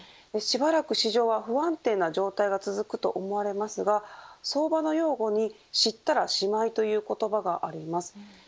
しばらく市場は不安定な状態が続くと思われますが相場の用語に知ったら終いということがあります。